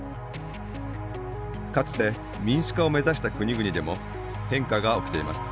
かつて民主化を目指した国々でも変化が起きています。